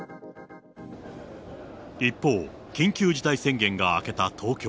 一方、緊急事態宣言が明けた東京。